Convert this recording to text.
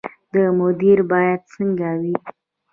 مدیر باید څنګه وي؟